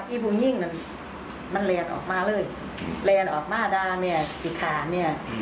อีบูนิ่งมันแรนออกมาเลยแรนออกมาด้านเนี่ยสิขาเนี่ย